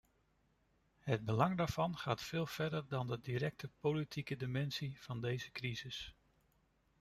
Het belang daarvan gaat veel verder dan de directe politieke dimensie van deze crisis.